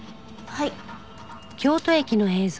はい。